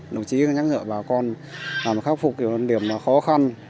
đồng chí nhắc nhở bà con làm khắc phục điểm khó khăn